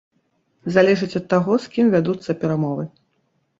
Залежыць ад таго, з кім вядуцца перамовы.